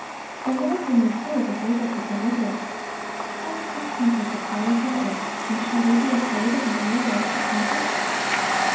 The Lord whom we serve is able to deliver us. Christ has conquered the powers of earth; and shall we be afraid of a world already conquered?"